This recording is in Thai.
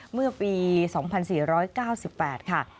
เมื่อปี๒๔๙๘ค่ะ